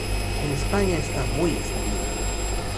En España está muy extendida.